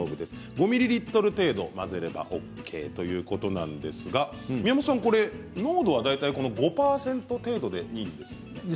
５ミリリットル程度あればＯＫということなんですが宮本さん、濃度は大体５％程度でいいんですね。